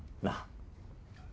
なあ。